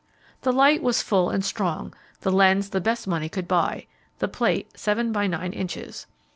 The light was full and strong, the lens the best money could buy, the plate seven by nine inches.